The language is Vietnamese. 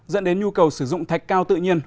dẫn đến nhu cầu sử dụng thạch cao tự nhiên